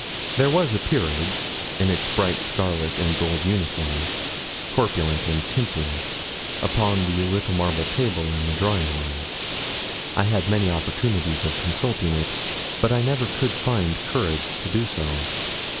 There was a 'Peerage,' in its bright scarlet and gold uniform, corpulent and tempting, upon the little marble table in the drawing room. I had many opportunities of consulting it, but I never could find courage to do so.